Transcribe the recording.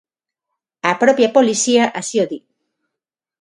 A propia policía así o di.